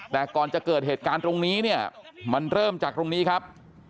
แต่ก่อนจะเกิดเหตุการณ์ตรงนี้เนี่ยมันเริ่มจากตรงนี้ครับ